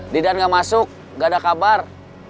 didan gak masuk gak ada kabar